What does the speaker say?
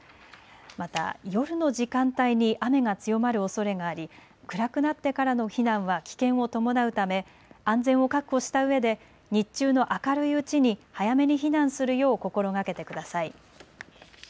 また夜の時間帯に雨が強まるおそれがあり暗くなってからの避難は危険を伴うため安全を確保したうえで日中の明るいうちに早めに避難するよう心がけてください。